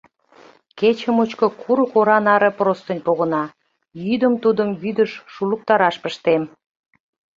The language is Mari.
Кече мучко курык ора наре простынь погына, йӱдым тудым вӱдыш шулыктараш пыштем.